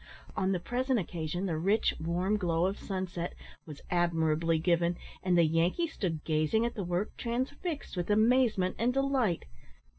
On the present occasion, the rich warm glow of sunset was admirably given, and the Yankee stood gazing at the work, transfixed with amazement and delight.